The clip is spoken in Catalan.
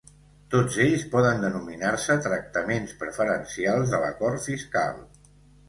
Tots ells poden denominar-se tractaments preferencials de l'acord fiscal.